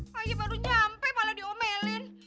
pagi baru nyampe malah diomelin